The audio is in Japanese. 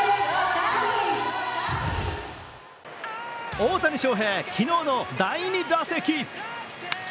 大谷翔平、昨日の第２打席。